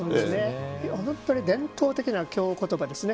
本当に伝統的な京言葉ですね